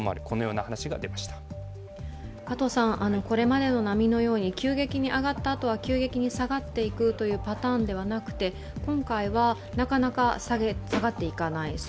これまでの波のように急激に上がったあとは急激に下がっていくというパターンではなくて、今回は、なかなか下がっていかない